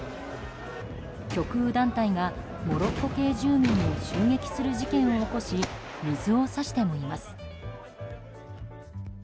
極右団体がモロッコ系住民を襲撃する事件を起こし水を差してもいます。